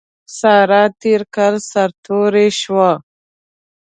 سارا تېر کال سر توره شوه.